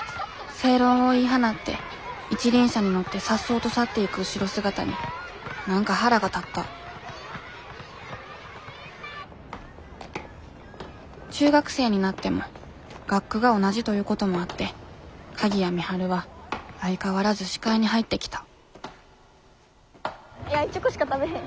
正論を言い放って一輪車に乗ってさっそうと去っていく後ろ姿に何か腹が立った中学生になっても学区が同じということもあって鍵谷美晴は相変わらず視界に入ってきたいやチョコしか食べへん。